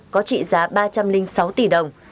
có trị giá ba trăm linh sáu tỷ đồng